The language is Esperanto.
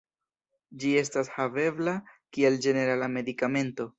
Ĝi estas havebla kiel ĝenerala medikamento.